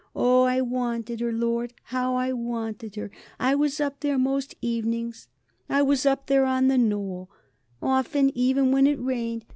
Oh, I wanted her. Lord! how I wanted her! I was up there, most evenings I was up there on the Knoll, often even when it rained.